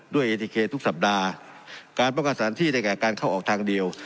เอทีเคทุกสัปดาห์การป้องกันสถานที่ได้แก่การเข้าออกทางเดียว